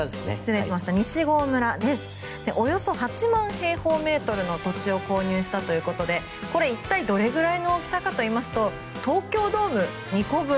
およそ８万平方メートルの土地を購入したということでこれ、一体どれくらいの大きさかといいますと東京ドーム２個分。